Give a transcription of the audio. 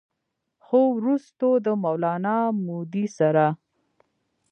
خو وروستو د مولانا مودودي سره